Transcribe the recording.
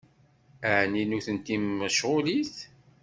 Ɛni nutenti mecɣulit?